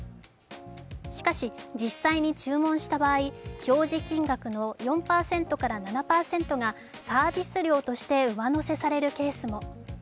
しかし実際に注文した場合、表示金額の４％から７％がサービス料として上乗せされるケースも。